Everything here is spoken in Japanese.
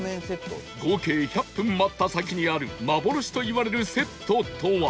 合計１００分待った先にある幻といわれるセットとは？